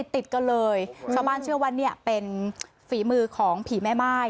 ติดกันเลยชาวบ้านเชื่อว่าเนี่ยเป็นฝีมือของผีแม่ม่าย